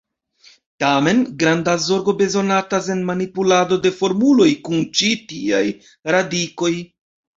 Tamen, granda zorgo bezonatas en manipulado de formuloj kun ĉi tiaj radikoj.